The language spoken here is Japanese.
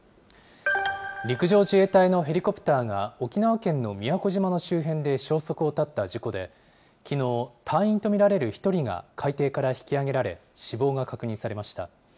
陸上自衛隊のヘリコプターが、沖縄県の宮古島の周辺で消息を絶った事故で、きのう、隊員と見られる１人が海底から引きあげられ、死亡が確認されました。